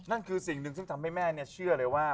นั่นคือสิ่งหนึ่งซึ่งทำให้แม่เชื่อเลยว่า